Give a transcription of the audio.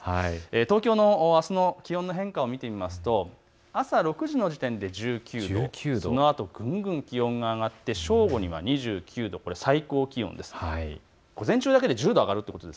東京のあすの気温の変化を見ていきますと朝６時の時点で１９度、その後ぐんぐん上がって正午には２９度、午前中だけで１０度上がります。